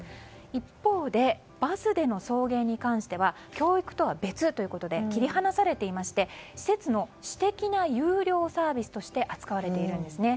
一方で、バスでの送迎に関しては教育とは別ということで切り離されていまして施設の私的な有料サービスとして扱われているんですね。